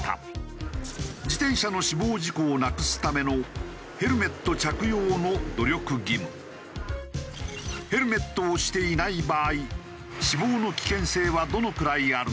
自転車の死亡事故をなくすためのヘルメットをしていない場合死亡の危険性はどのくらいあるのか？